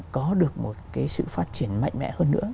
có được một cái sự phát triển mạnh mẽ hơn nữa